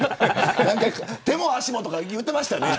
手も足もとか言うてましたね。